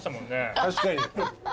確かに。